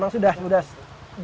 ya kasih makan